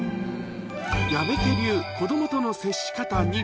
矢部家流子どもとの接し方２。